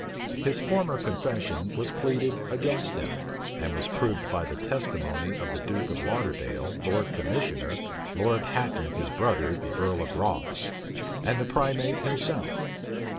His former confession was pleaded against him, and was proved by the testimony of the duke of Lauderdale, lord commissioner, Lord Hatton his brother, the earl of Rothes, and the primate himself.